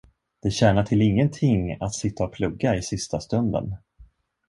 Det tjänar till ingenting att sitta och plugga i sista stunden.